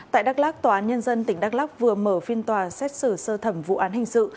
tại đắk lắc tòa án nhân dân tỉnh đắk lóc vừa mở phiên tòa xét xử sơ thẩm vụ án hình sự